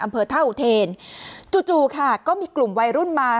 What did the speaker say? อำเภอท่าอุเทนจู่จู่ค่ะก็มีกลุ่มวัยรุ่นมา